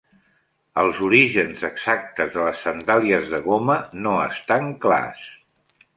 Els orígens exactes de les sandàlies de goma no estan clars.